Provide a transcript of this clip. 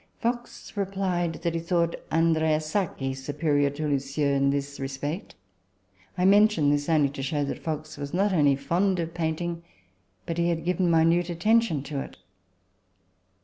Fox replied that he thought Andrea Sacchi superior to Le Sueur in this respect. I mention this to show that Fox was not only fond of painting, but had given minute attention to it.